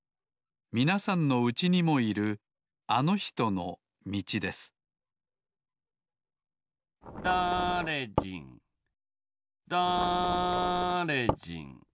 みなさんのうちにもいるあのひとのみちですだれじんだれじん